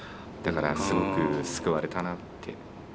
だからすごく救われたなって。